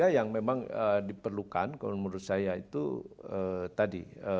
dua ribu dua puluh tiga yang memang diperlukan menurut saya itu tadi